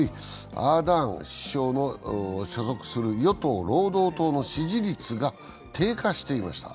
アーダーン首相の所属する与党・労働党の支持率が低下していました。